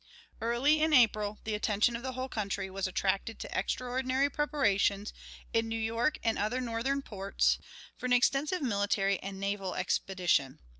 "Early in April the attention of the whole country was attracted to extraordinary preparations, in New York and other Northern ports, for an extensive military and naval expedition.